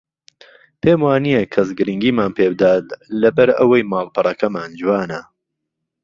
پێم وانییە کەس گرنگیمان پێ بدات لەبەر ئەوەی ماڵپەڕەکەمان جوانە